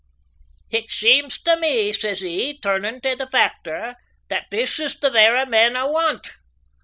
"It seems tae me," says he, turnin' tae the factor, "that this is the vera man I want.